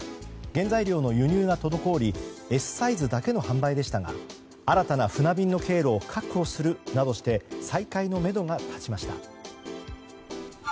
原材料の輸入が滞りＳサイズだけの販売でしたが新たな船便の経路を確保するなどして再開のめどが立ちました。